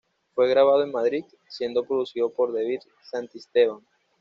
Fue grabado en Madrid, siendo producido por David Santisteban.